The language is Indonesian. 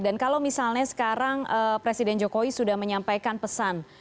dan kalau misalnya sekarang presiden jokowi sudah menyampaikan pesan